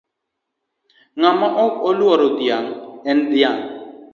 Ng'ama ok oluoro dhiang' en dhiang'.